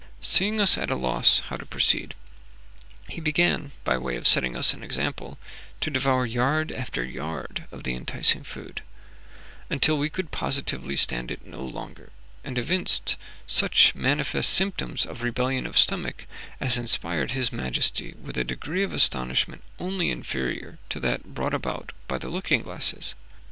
Seeing us at a loss how to proceed, he began, by way of setting us an example, to devour yard after yard of the enticing food, until we could positively stand it no longer, and evinced such manifest symptoms of rebellion of stomach as inspired his majesty with a degree of astonishment only inferior to that brought about by the looking glasses.